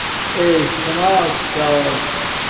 اعتماد داشت